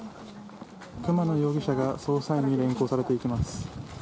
熊野容疑者が捜査員に連行されていきます。